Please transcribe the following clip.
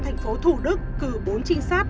thành phố thủ đức cử bốn trinh sát